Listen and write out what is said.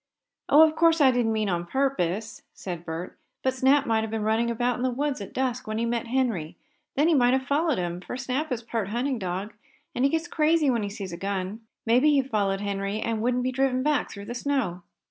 "Oh, of course I didn't mean on purpose," said Bert. "But Snap may have been running about in the woods at dusk when he met Henry. Then he may have followed him, for Snap is part hunting dog, and he gets crazy when he sees a gun. Maybe he followed Henry, and wouldn't be driven back through the snow."